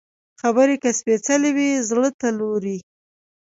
خبرې که سپېڅلې وي، زړه ته لوري